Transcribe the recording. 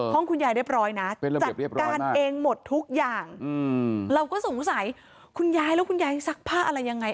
คุณยายเรียบร้อยนะจัดการเองหมดทุกอย่างเราก็สงสัยคุณยายแล้วคุณยายซักผ้าอะไรยังไง